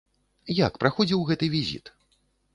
Як праходзіў гэты візіт?